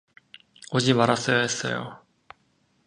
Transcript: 오지 말았어야 했어요.